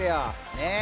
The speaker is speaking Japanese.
ねえ。